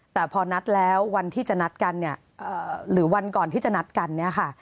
แต่พอนัดแล้ววันที่จะนัดกันเนี่ยหรือวันก่อนที่จะนัดกันเนี่ยค่ะ